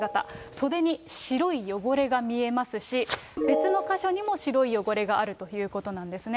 袖に白い汚れが見えますし、別の箇所にも白い汚れがあるということなんですね。